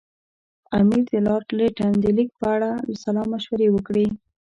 امیر د لارډ لیټن د لیک په اړه سلا مشورې وکړې.